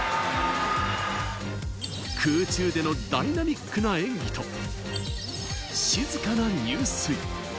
空中でのダイナミックな演技と静かな入水。